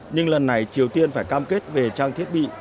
nhưng lần này triều tiên phải cam kết về trang thiết bị